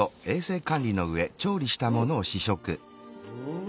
うん！